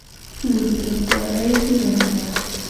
انګلیسي د هوښیارۍ نښه ده